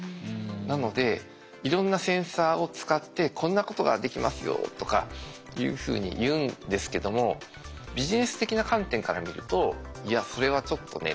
なのでいろんなセンサーを使ってこんなことができますよとかいうふうに言うんですけどもビジネス的な観点から見るといやそれはちょっとね。